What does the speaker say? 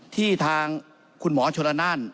ที่ทางคุณหมอชนละนาน